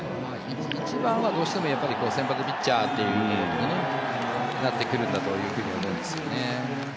一番はどうしても先発ピッチャーというところになってくるんだと思いますよね。